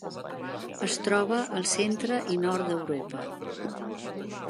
Es troba al centre i nord d'Europa.